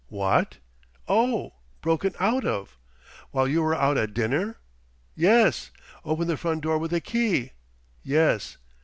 What? Oh, broken out of! While you were out at dinner. Yes. Opened the front door with a key. Yes.